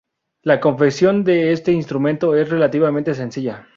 La confección de este instrumento es relativamente sencilla.